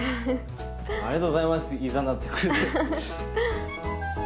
ありがとうございますいざなってくれて。